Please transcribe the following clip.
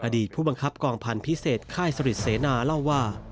ผู้บังคับกองพันธุ์พิเศษค่ายสริทเสนาเล่าว่า